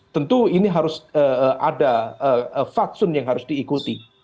tentu ini harus ada fatsun yang harus diikuti